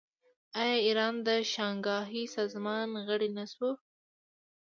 آیا ایران د شانګهای سازمان غړی نه شو؟